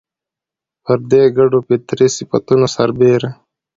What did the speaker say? پر دې ګډو فطري صفتونو سربېره